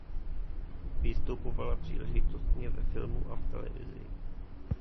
Vystupovala příležitostně ve filmu a v televizi.